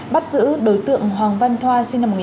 bắt giữ đối tượng hoàng văn thoa sinh năm hai nghìn một mươi chín